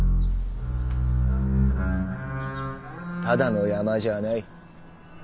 ただの山じゃあない。